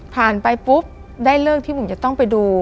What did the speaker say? ผ่านไปปุ๊บได้เรื่องที่ผมจะต้องไปดู